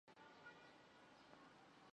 体现党中央最新精神